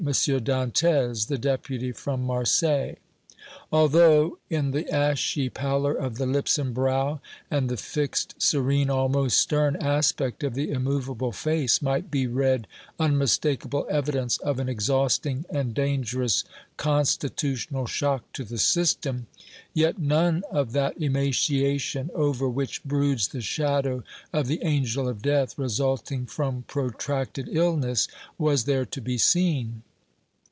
Dantès, the Deputy from Marseilles. Although, in the ashy pallor of the lips and brow, and the fixed, serene, almost stern aspect of the immovable face, might be read unmistakable evidence of an exhausting and dangerous constitutional shock to the system, yet none of that emaciation, over which broods the shadow of the angel of death, resulting from protracted illness, was there to be seen.